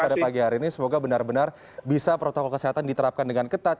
pada pagi hari ini semoga benar benar bisa protokol kesehatan diterapkan dengan ketat